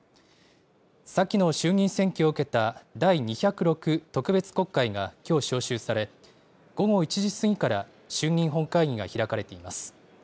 先の衆議院選挙を受けた第２０６特別国会がきょう召集され、午後１時過ぎから衆議院本会議が開かれています。